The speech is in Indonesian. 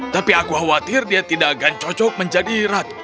tapi aku khawatir dia tidak akan cocok menjadi ratu